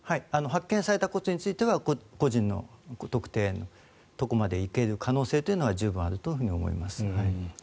発見された骨については個人の特定のところまでいける可能性というのは十分あると思います。